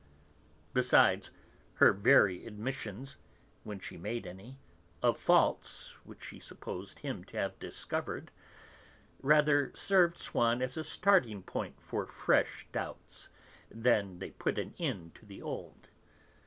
Besides, her very admissions when she made any of faults which she supposed him to have discovered, rather served Swann as a starting point for fresh doubts than they put an end to the old.